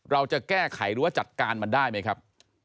เราจะแก้ไขหรือว่าจัดการมันได้ไหมครับ